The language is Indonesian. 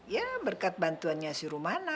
ya berkat bantuannya si rumana